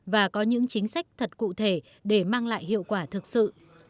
và có những chính sách thật cụ thể để mang lại hiệu quả thực sự